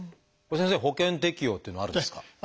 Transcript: これ先生保険適用っていうのはあるんですか？